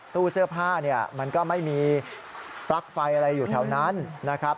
ตู้เสื้อผ้าเนี่ยมันก็ไม่มีปลั๊กไฟอะไรอยู่แถวนั้นนะครับ